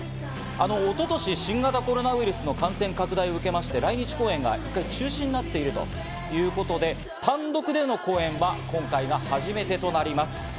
一昨年、新型コロナウイルスの感染拡大を受けまして来日公演が１回中止になっているということで、単独での公演は今回が初めてとなります。